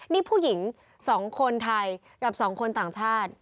นี่ผู้หญิง๒คนไทยกับ๒คนต่างชาติ